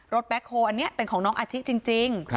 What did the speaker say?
แบ็คโฮลอันนี้เป็นของน้องอาชิจริง